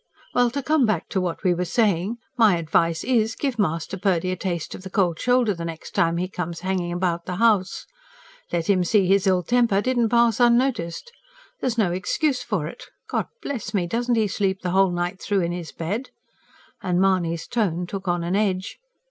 "Well, to come back to what we were saying. My advice is, give Master Purdy a taste of the cold shoulder the next time he comes hanging about the house. Let him see his ill temper didn't pass unnoticed. There's no excuse for it. God bless me! doesn't he sleep the whole night through in his bed?" and Mahony's tone took on an edge.